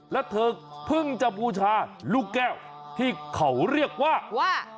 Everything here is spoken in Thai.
แล้วเธอเพิ่งจะบูชาลูกแก้วที่เขาเรียกว่า